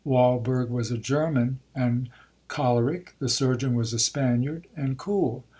Walberg was a German, and choleric—the surgeon was a Spaniard, and cool.